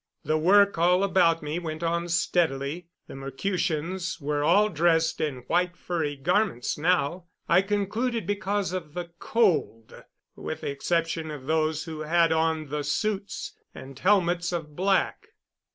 The work all about me went on steadily. The Mercutians were all dressed in white furry garments now I concluded because of the cold with the exception of those who had on the suits and helmets of black.